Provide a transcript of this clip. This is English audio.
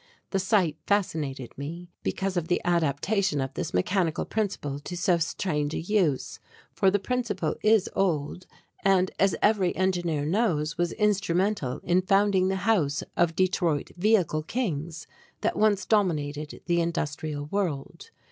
The sight fascinated me, because of the adaptation of this mechanical principle to so strange a use, for the principle is old and, as every engineer knows, was instrumental in founding the house of Detroit Vehicle Kings that once dominated the industrial world.